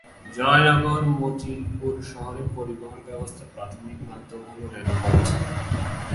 জয়নগর মজিলপুর শহরে পরিবহন ব্যবস্থার প্রাথমিক মাধ্যম হল রেলপথ।